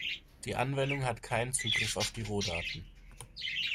Die Anwendung hat keinen Zugriff auf die Rohdaten.